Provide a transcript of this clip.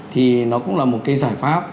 thì nó cũng là một cái giải pháp